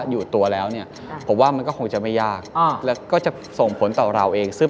สบายด้วยกับการรู้สูญ